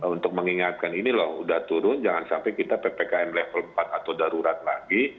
untuk mengingatkan ini loh udah turun jangan sampai kita ppkm level empat atau darurat lagi